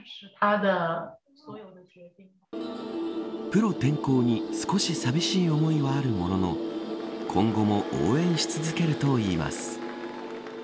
プロ転向に少し寂しい思いはあるものの今後も応援し続けるといいます。